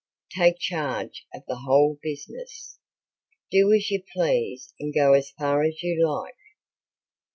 "Take charge of the whole business, do as you please and go as far as you like."